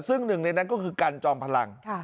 ซึ่งหนึ่งในนั้นก็คือกันจอมพลัง